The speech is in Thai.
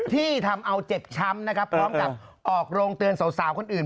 ที่ทำเอาเจ็บช้ำนะครับพร้อมกับออกโรงเตือนสาวคนอื่น